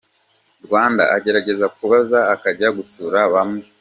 Rwanda agerageza kubaza, akajya gusura bamwe.